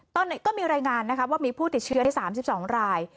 ตอนนี้ก็มีรายงานนะคะว่ามีผู้ติดเชื้อที่สามสิบสองราย